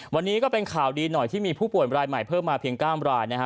วันนี้ก็เป็นข่าวดีหน่อยที่มีผู้ป่วยรายใหม่เพิ่มมาเพียง๙รายนะฮะ